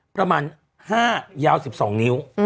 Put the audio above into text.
ประมาณ๕ยาว๑๒นิ้ว